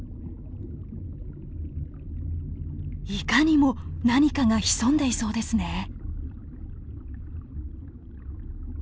いかにも何かが潜んでいそうですね。